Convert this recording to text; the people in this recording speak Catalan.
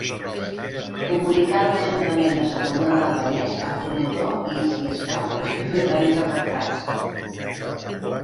Comunicar-ho a l'Ajuntament de Cerdanyola del Vallès, al promotor i, si escau, als propietaris afectats.